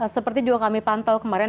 seperti juga kami pantau kemarin